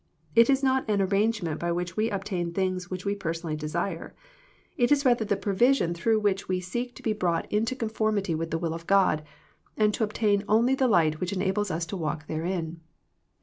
It is not an arrangement by which we obtain things which we personally desire. It is rather the provision THE PEACTICE OF PEAYEE 123 through which we seek to be brought into con formity with the will of God, and to obtain only the light which enables us to walk therein.